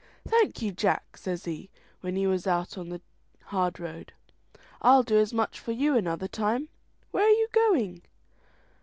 "Thank you, Jack," says he, when he was out on the hard road; "I'll do as much for you another time. Where are you going?"